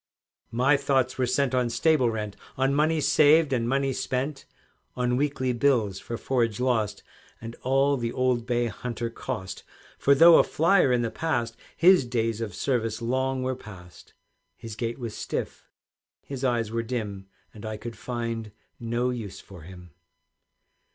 My thoughts were set on stable rent, On money saved and money spent, On weekly bills for forage lost, And all the old bay hunter cost. For though a flier in the past, His days of service long were past, His gait was stiff, his eyes were dim, And I could find no use for him.